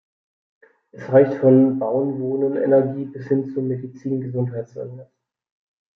Es reicht von Bauen-Wohnen-Energie bis hin zu Medizin-Gesundheit-Wellness.